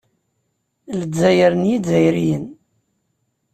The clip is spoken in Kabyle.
Lezzayer n Yizzayriyen.